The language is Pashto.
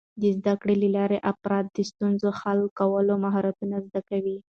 د زده کړې له لارې، افراد د ستونزو حل کولو مهارتونه زده کوي.